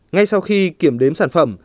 ngay sau khi kiểm đếm sản phẩm